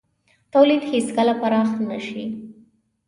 تولید هېڅکله پراخ نه شي.